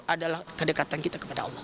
adalah kedekatan kita kepada allah